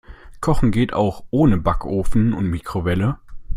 Kochen geht auch ohne Backofen und Mikrowelle.